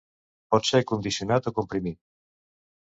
Pot ser condicionat o comprimit.